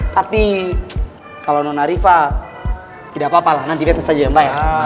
tapi kalau nona riva tidak apa apa lah nanti betta saja yang bayar